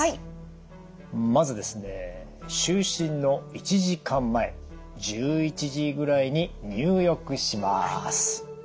まずですね就寝の１時間前１１時ぐらいに入浴します。